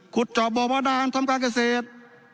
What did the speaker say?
ขุดจอบบอกว่าด่างทำการเกษตร